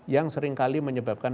yang seringkali menyebabkan